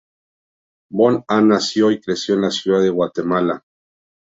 Von Ahn nació y creció en la Ciudad de Guatemala.